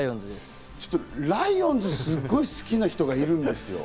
ちょっとライオンズ、すっごい好きな人がいるんですよ。